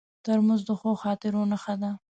ترموز د ښو خاطرو نښه ده.